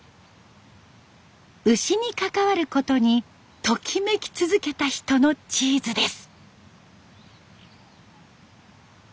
牛に関わることにときめき続けた人のチーズです。